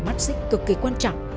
mắt xích cực kỳ quan trọng